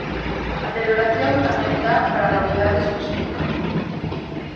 A celebración tamén dá para novidades no sector.